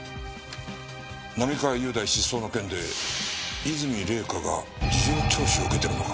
並河優大失踪の件で和泉礼香が事情聴取を受けてるのか。